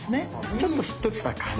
ちょっとしっとりした感じ。